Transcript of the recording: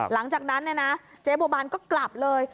หลังจากนั้นเจ๊บัวบานก็กลับเลย